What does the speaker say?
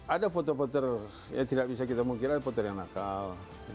ada foto foto yang tidak bisa kita mengkira foto yang nakal